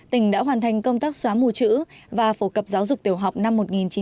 tỉnh đã hoàn thành công tác xóa mù chữ và phổ cập giáo dục tiểu học năm một nghìn chín trăm chín mươi